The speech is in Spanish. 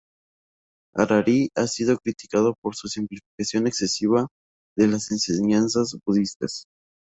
Harari ha sido criticado por su simplificación excesiva de las enseñanzas budistas.